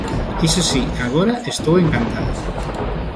Iso si, agora estou encantada.